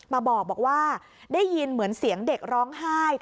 มาบอกว่าได้ยินเหมือนเสียงเด็กร้องไห้